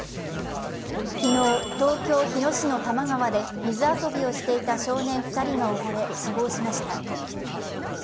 昨日、東京・日野市多摩川で水遊びをしていた少年２人が溺れ死亡しました。